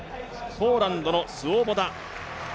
ポーランドのスウォボダ。